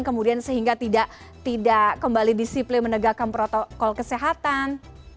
kemudian sehingga tidak kembali disiplin menegakkan protokol kesehatan